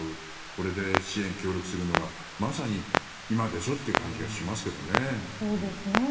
これで支援、協力するのがまさに今でしょという感じがしますけどね。